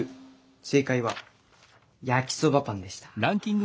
正解は焼きそばパンでした。